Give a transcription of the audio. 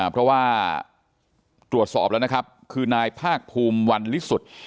เพราะว่าตรวจสอบแล้วนะครับคือนายภาคภูมิวันลิสุทธิ์